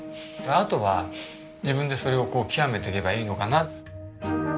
あとは自分でそれを極めていけばいいのかな。